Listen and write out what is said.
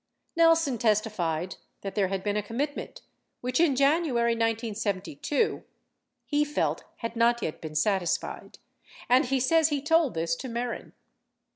Nelson testified that there had been a commitment which in January 1972 he felt had not yet been satisfied, and he says he told this to Mehren.